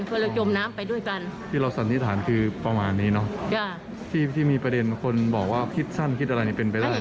คือเราจมน้ำไปด้วยกันที่เราสันนิษฐานคือประมาณนี้เนอะจ้ะที่ที่มีประเด็นคนบอกว่าคิดสั้นคิดอะไรนี่เป็นไปได้